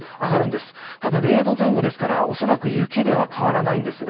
ただ、０度前後ですから雪では変わらないんですが